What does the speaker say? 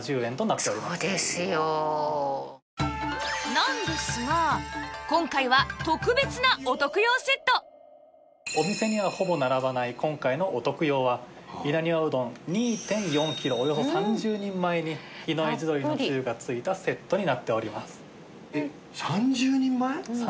なんですがお店にはほぼ並ばない今回のお徳用は稲庭うどん ２．４ キロおよそ３０人前に比内地鶏のつゆが付いたセットになっております。